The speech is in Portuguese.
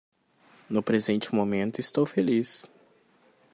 No presente momento, estou feliz